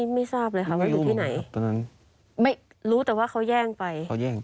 ไม่ทราบเลยครับว่าอยู่ที่ไหนรู้แต่ว่าเขาแย่งไป